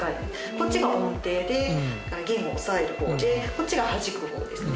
こっちが音程で弦を押さえる方でこっちがはじく方ですね。